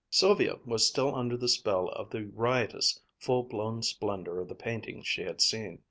Sylvia was still under the spell of the riotous, full blown splendor of the paintings she had seen.